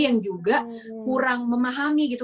yang juga kurang memahami gitu